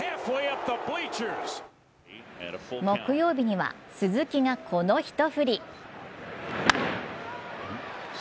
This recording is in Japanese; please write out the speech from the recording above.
木曜日には、鈴木がこの１振り。